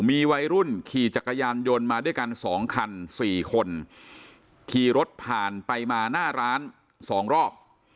มีวัยรุ่นขี่จักรยานยนต์มาด้วยกันสองคันสี่คนขี่รถผ่านไปมาหน้าร้านสองรอบ